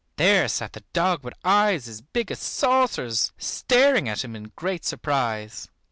There sat the dog with eyes as big as saucers, staring at him in great surprise.